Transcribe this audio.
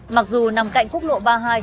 mặc dù nằm cạnh quốc lộ ba mươi hai